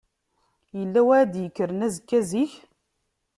Yella win ara d-yekkren azekka zik?